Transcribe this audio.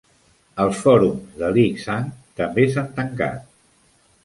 Els fòrums de Lik-Sang també s'han tancat.